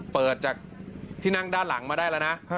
เปิดจากที่นั่งด้านหลังมาได้แล้วนะ